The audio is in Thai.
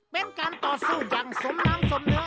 เป็นการต่อสู้อย่างสมน้ำสมเนื้อ